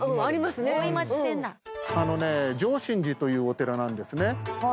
あのね浄真寺というお寺なんですね。